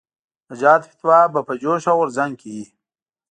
د جهاد فتوا به په جوش او غورځنګ کې وي.